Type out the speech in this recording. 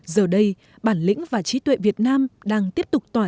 giờ đây bản lĩnh và trí tuệ việt nam đang tiếp tục tỏa